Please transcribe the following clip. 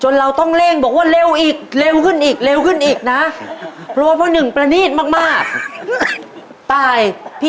ไม่ได้